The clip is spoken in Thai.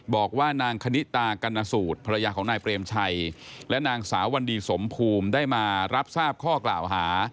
บอกว่านางคณิตากัณสูตรภรรยาของนายเปรมชัยและนางสาววันดีสมภูมิได้มารับทราบข้อกล่าวหา